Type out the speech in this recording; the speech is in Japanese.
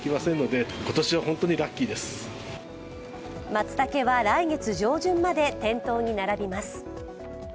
まつたけは来月上旬まで店頭に並びます。